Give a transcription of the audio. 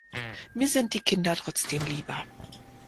Mir sind die Kinder trotzdem lieber.